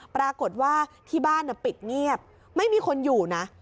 ปรากฏว่าที่บ้านปิดเงียบไม่มีคนอยู่นะ